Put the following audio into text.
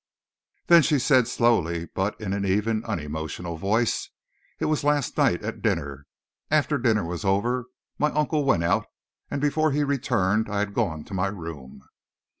Then she said slowly, but in an even, unemotional voice: "It was last night at dinner. After dinner was over, my uncle went out, and before he returned I had gone to my room."